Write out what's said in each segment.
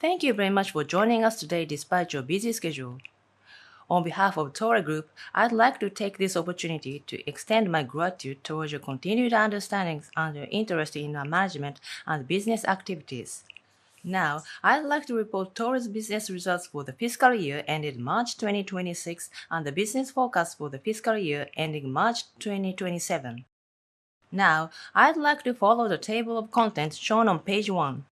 Thank you very much for joining us today despite your busy schedule. On behalf of Toray Group, I'd like to take this opportunity to extend my gratitude towards your continued understandings and your interest in our management and business activities. I'd like to report Toray's business results for the fiscal year ended March 2026, and the business forecast for the fiscal year ending March 2027. I'd like to follow the table of contents shown on page one.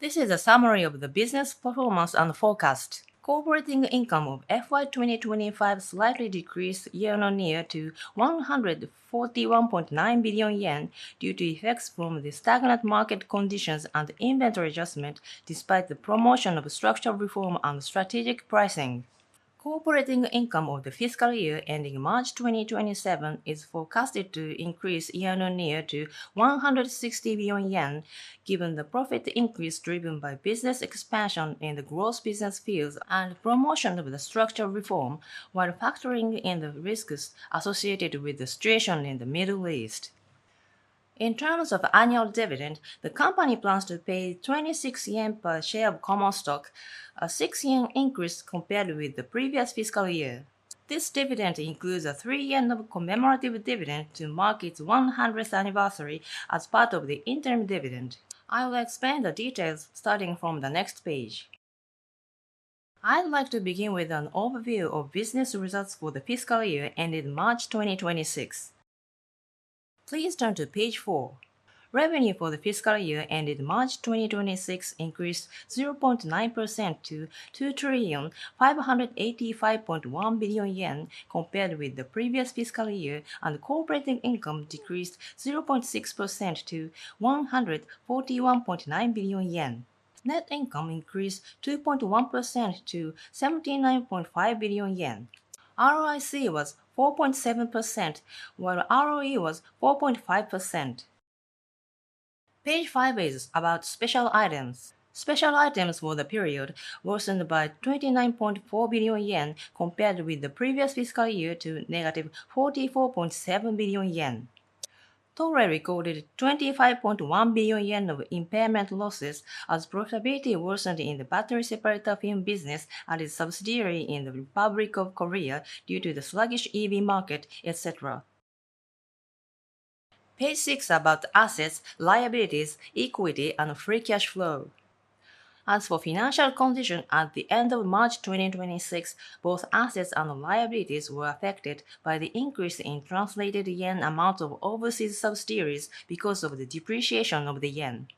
This is a summary of the business performance and forecast. Corporate income of FY 2025 slightly decreased year-on-year to 141.9 billion yen due to effects from the stagnant market conditions and inventory adjustment despite the promotion of structural reform and strategic pricing. Corporate income of the fiscal year ending March 2027 is forecasted to increase year-over-year to 160 billion yen, given the profit increase driven by business expansion in the growth business fields and promotion of the structural reform, while factoring in the risks associated with the situation in the Middle East. In terms of annual dividend, the company plans to pay 26 yen per share of common stock, a 6 yen increase compared with the previous fiscal year. This dividend includes a 3 yen of commemorative dividend to mark its 100th anniversary as part of the interim dividend. I will explain the details starting from the next page. I'd like to begin with an overview of business results for the fiscal year ended March 2026. Please turn to page four. Revenue for the fiscal year ended March 2026 increased 0.9% to 2,585.1 billion yen compared with the previous fiscal year, and corporate income decreased 0.6% to 141.9 billion yen. Net income increased 2.1% to 79.5 billion yen. ROIC was 4.7%, while ROE was 4.5%. Page five is about special items. Special items for the period worsened by 29.4 billion yen compared with the previous fiscal year to -44.7 billion yen. Toray recorded 25.1 billion yen of impairment losses as profitability worsened in the battery separator film business at its subsidiary in the Republic of Korea due to the sluggish EV market, et cetera. Page six about assets, liabilities, equity, and free cash flow. As for financial condition at the end of March 2026, both assets and liabilities were affected by the increase in translated JPY amounts of overseas subsidiaries because of the depreciation of the JPY.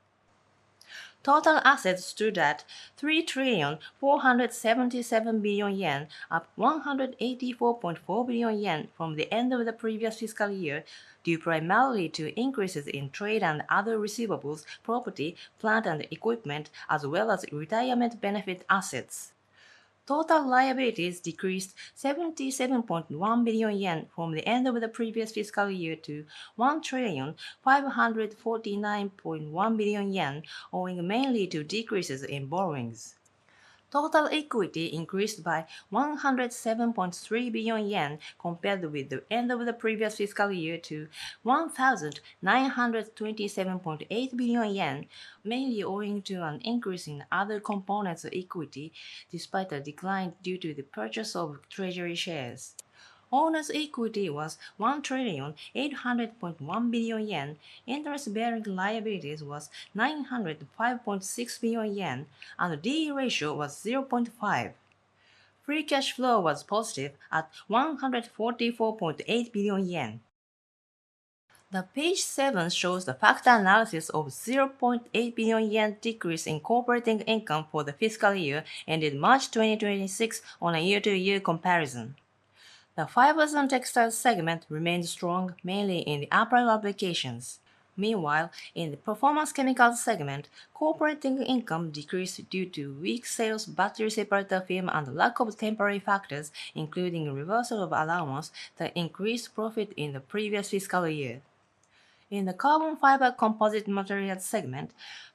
Total assets stood at 3,477 billion yen, up 184.4 billion yen from the end of the previous fiscal year due primarily to increases in trade and other receivables, property, plant and equipment, as well as retirement benefit assets. Total liabilities decreased 77.1 billion yen from the end of the previous fiscal year to 1,549.1 billion yen, owing mainly to decreases in borrowings. Total equity increased by 107.3 billion yen compared with the end of the previous fiscal year to 1,927.8 billion yen, mainly owing to an increase in other components of equity despite a decline due to the purchase of treasury shares. Owner's equity was 1,800.1 billion yen, interest-bearing liabilities was 905.6 billion yen, and D/E ratio was 0.5. Free cash flow was positive at 144.8 billion yen. The page seven shows the factor analysis of 0.8 billion yen decrease in corporate income for the fiscal year ended March 2026 on a year-to-year comparison. The Fibers & Textiles segment remained strong, mainly in the apparel applications. Meanwhile, in the Performance Chemicals segment, corporate income decreased due to weak sales battery separator film and lack of temporary factors, including reversal of allowance that increased profit in the previous fiscal year. In the Carbon Fiber Composite Materials segment,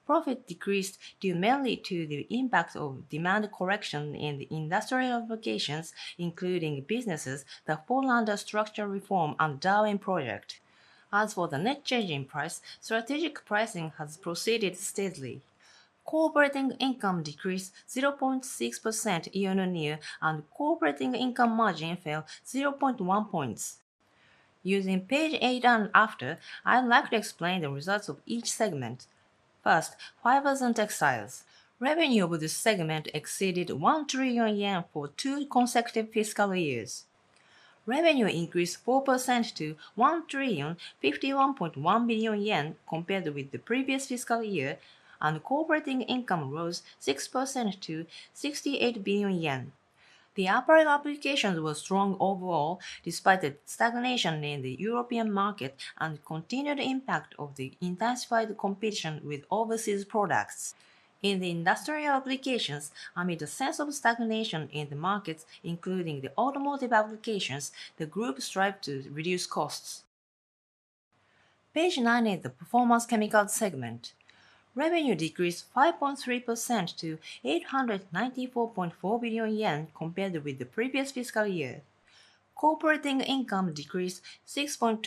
profit decreased due mainly to the impact of demand correction in the industrial applications, including businesses that fall under structural reform and Darwin Project. As for the net changing price, strategic pricing has proceeded steadily. Corporate income decreased 0.6% year-on-year, and corporate income margin fell 0.1 points. Using page eight and after, I'd like to explain the results of each segment. First, Fibers & Textiles. Revenue of this segment exceeded 1 trillion yen for two consecutive fiscal years. Revenue increased 4% to 1,051.1 billion yen compared with the previous fiscal year. Corporate income rose 6% to 68 billion yen. The apparel applications were strong overall, despite a stagnation in the European market and continued impact of the intensified competition with overseas products. In the industrial applications, amid a sense of stagnation in the markets, including the automotive applications, the group strived to reduce costs. Page nine is the Performance Chemicals segment. Revenue decreased 5.3% to 894.4 billion yen compared with the previous fiscal year. Operating income decreased 6.2%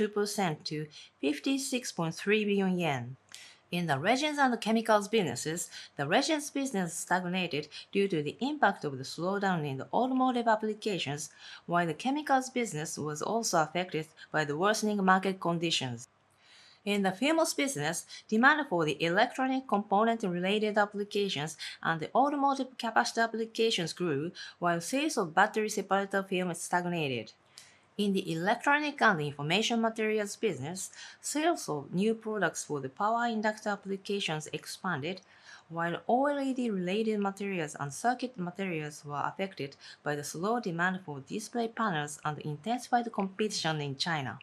to 56.3 billion yen. In the Resins and Chemicals businesses, the Resins business stagnated due to the impact of the slowdown in the automotive applications, while the Chemicals business was also affected by the worsening market conditions. In the Films business, demand for the electronic component related applications and the automotive capacitor applications grew, while sales of battery separator film stagnated. In the Electronic & Information Materials business, sales of new products for the power inductor applications expanded, while OLED related materials and circuit materials were affected by the slow demand for display panels and intensified competition in China.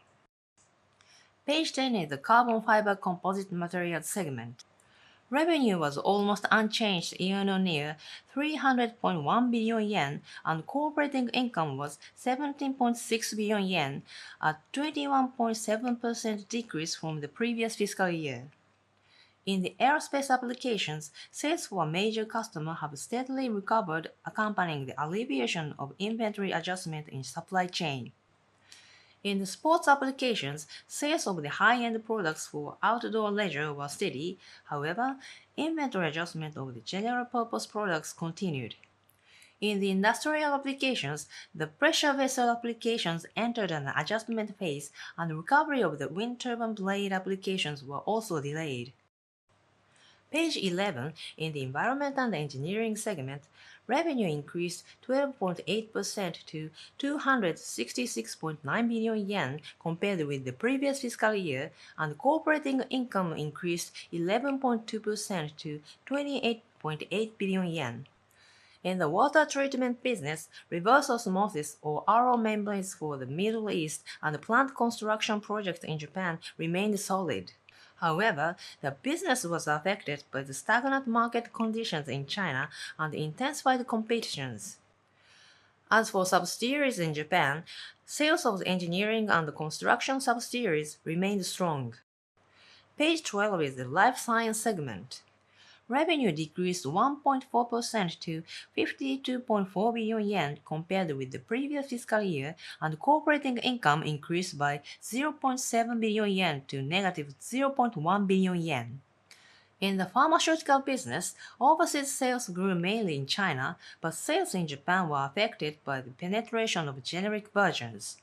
Page 10 is the Carbon Fiber Composite Materials segment. Revenue was almost unchanged year-on-year, 300.1 billion yen, and operating income was 17.6 billion yen, a 21.7% decrease from the previous fiscal year. In the aerospace applications, sales for a major customer have steadily recovered, accompanying the alleviation of inventory adjustment in supply chain. In the sports applications, sales of the high-end products for outdoor leisure were steady. However, inventory adjustment of the general purpose products continued. In the industrial applications, the pressure vessel applications entered an adjustment phase, and recovery of the wind turbine blade applications were also delayed. Page 11, in the Environment & Engineering segment, revenue increased 12.8% to 266.9 billion yen compared with the previous fiscal year, and operating income increased 11.2% to 28.8 billion yen. In the water treatment business, reverse osmosis or RO membranes for the Middle East and the plant construction projects in Japan remained solid. The business was affected by the stagnant market conditions in China and intensified competitions. As for subsidiaries in Japan, sales of engineering and construction subsidiaries remained strong. Page 12 is the Life Science segment. Revenue decreased 1.4% to 52.4 billion yen compared with the previous fiscal year, and operating income increased by 0.7 billion yen to negative 0.1 billion yen. In the pharmaceutical business, overseas sales grew mainly in China, but sales in Japan were affected by the penetration of generic versions.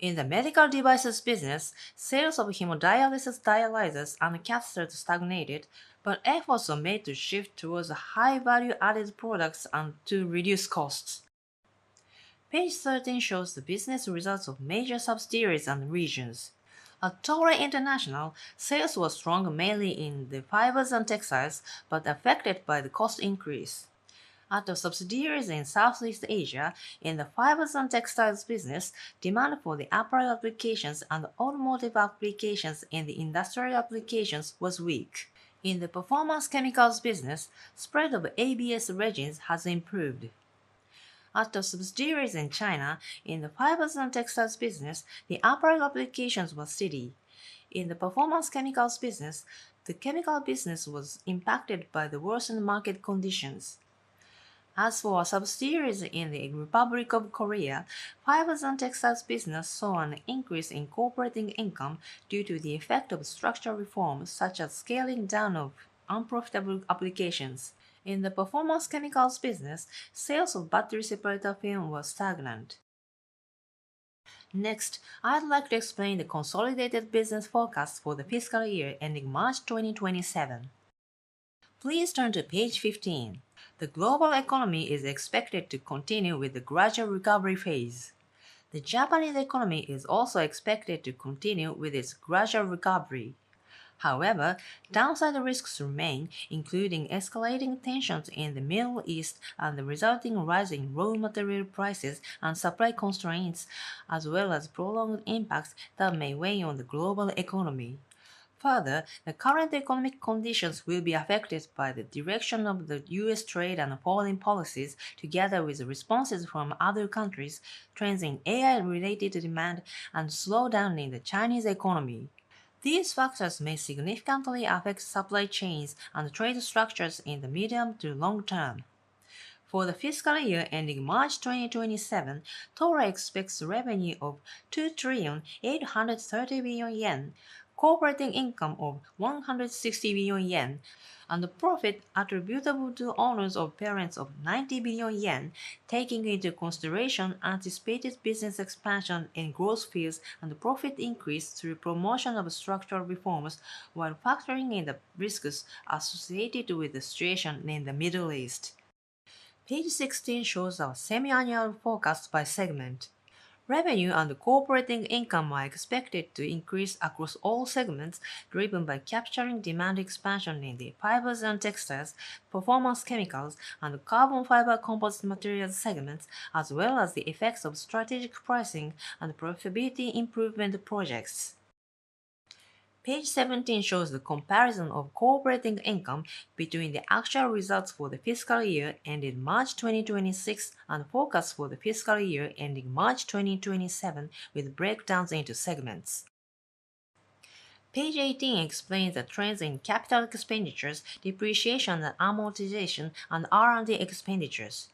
In the medical devices business, sales of hemodialysis dialyzers and catheters stagnated, but efforts were made to shift towards high value-added products and to reduce costs. Page 13 shows the business results of major subsidiaries and regions. At Toray International, sales were strong mainly in the Fibers & Textiles, but affected by the cost increase. At the subsidiaries in Southeast Asia, in the Fibers & Textiles business, demand for the apparel applications and automotive applications in the industrial applications was weak. In the Performance Chemicals business, spread of ABS resins has improved. At the subsidiaries in China, in the Fibers & Textiles business, the apparel applications were steady. In the Performance Chemicals business, the chemical business was impacted by the worsened market conditions. As for our subsidiaries in the Republic of Korea, Fibers & Textiles business saw an increase in operating income due to the effect of structural reforms, such as scaling down of unprofitable applications. In the Performance Chemicals business, sales of battery separator film were stagnant. Next, I'd like to explain the consolidated business forecast for the fiscal year ending March 2027. Please turn to page 15. The global economy is expected to continue with the gradual recovery phase. The Japanese economy is also expected to continue with its gradual recovery. However, downside risks remain, including escalating tensions in the Middle East and the resulting rising raw material prices and supply constraints, as well as prolonged impacts that may weigh on the global economy. Further, the current economic conditions will be affected by the direction of the U.S. trade and foreign policies together with responses from other countries, trends in AI related demand, and slowdown in the Chinese economy. These factors may significantly affect supply chains and trade structures in the medium to long term. For the fiscal year ending March 2027, Toray expects revenue of 2,830 billion yen, operating income of 160 billion yen, and profit attributable to owners of parents of 90 billion yen, taking into consideration anticipated business expansion in growth fields and profit increase through promotion of structural reforms while factoring in the risks associated with the situation in the Middle East. Page 16 shows our semi-annual forecast by segment. Revenue and operating income are expected to increase across all segments, driven by capturing demand expansion in the Fibers & Textiles, Performance Chemicals, and Carbon Fiber Composite Materials segments, as well as the effects of strategic pricing and profitability improvement projects. Page 17 shows the comparison of operating income between the actual results for the fiscal year ended March 2026 and forecast for the fiscal year ending March 2027 with breakdowns into segments. Page 18 explains the trends in capital expenditures, depreciation and amortization, and R&D expenditures.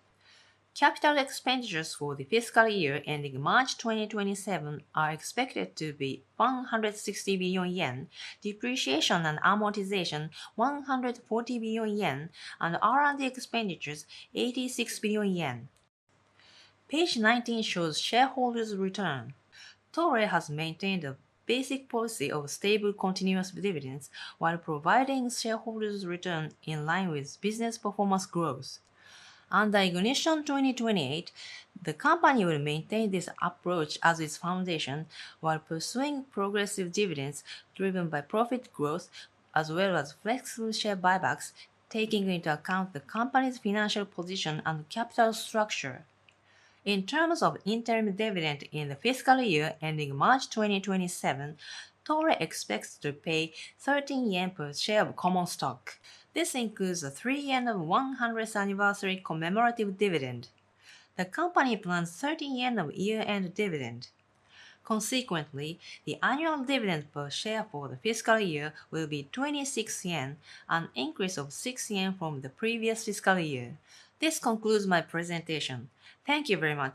Capital expenditures for the fiscal year ending March 2027 are expected to be 160 billion yen, depreciation and amortization 140 billion yen, and R&D expenditures 86 billion yen. Page 19 shows shareholders' return. Toray has maintained a basic policy of stable continuous dividends while providing shareholders' return in line with business performance growth. Under IGNITION 2028, the company will maintain this approach as its foundation while pursuing progressive dividends driven by profit growth as well as flexible share buybacks, taking into account the company's financial position and capital structure. In terms of interim dividend in the fiscal year ending March 2027, Toray expects to pay 13 yen per share of common stock. This includes the 3 yen of 100th anniversary commemorative dividend. The company plans 13 yen of year-end dividend. Consequently, the annual dividend per share for the fiscal year will be 26 yen, an increase of 6 yen from the previous fiscal year. This concludes my presentation. Thank you very much.